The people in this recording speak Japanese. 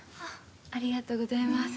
ありがとうございます。